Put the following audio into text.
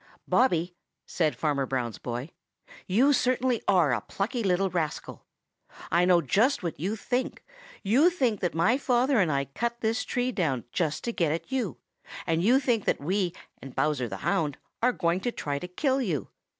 "Bobby," said Farmer Brown's boy, "you certainly are a plucky little rascal. I know just what you think; you think that my father and I cut this tree down just to get you, and you think that we and Bowser the Hound are going to try to kill you.